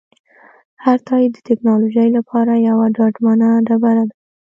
هر تایید د ټکنالوژۍ لپاره یوه ډاډمنه ډبره ده.